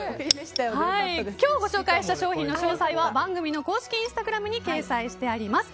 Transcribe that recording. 今日ご紹介した商品の詳細は番組の公式インスタグラムに掲載しています。